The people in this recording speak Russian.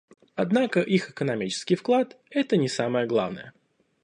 Однако их экономический вклад — это не самое главное.